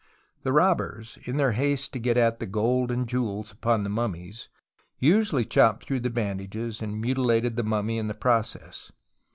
The robbers, in their haste to get at tlie gold and jewels upon the mummies, usually chopped through tlie bandages, and mutilated the mummy in the process.